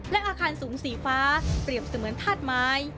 และอาคารสูงสีฟ้าเปรียบเสมือนธาตุไม้